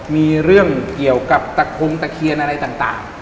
มีเรื่องเกี่ยวกับตะคงตะเคียนอะไรต่าง